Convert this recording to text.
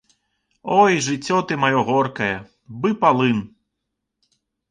Ой, жыццё ты маё горкае, бы палын!